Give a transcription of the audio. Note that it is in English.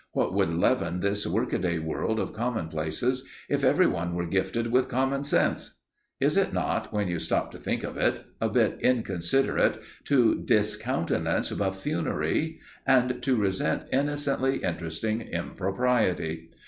What would leaven this workaday world of common places, if everyone were gifted with common sense? Is it not, when you stop to think of it, a bit inconsiderate to discountenance buffoonery and to resent innocently interesting impropriety?